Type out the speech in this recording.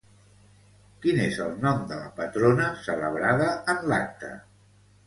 Quin és el nom de la patrona celebrada en l'acte?